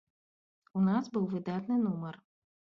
У нас быў выдатны нумар.